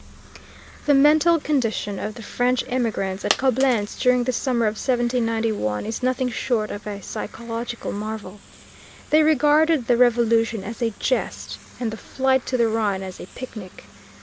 The mental condition of the French emigrants at Coblentz during this summer of 1791 is nothing short of a psychological marvel. They regarded the Revolution as a jest, and the flight to the Rhine as a picnic.